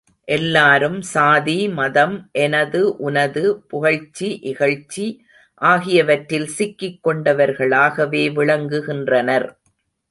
எல்லாரும் சாதி, மதம், எனது, உனது, புகழ்ச்சி, இகழ்ச்சி ஆகியவற்றில் சிக்கிக் கொண்டவர்களாகவே விளங்குகின்றனர்.